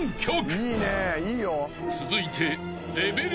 ［続いて］